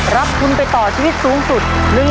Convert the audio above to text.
รับทุนไปต่อชีวิตสูงสุด